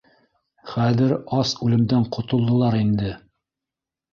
Хәҙер ас үлемдән ҡотолдолар инде.